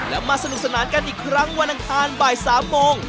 และมาสนุกสนานกันอีกครั้งวันอังคารบ่าย๓โมง